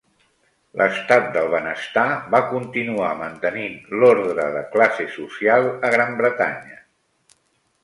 L'estat del benestar va continuar mantenint l'ordre de classe social a Gran Bretanya.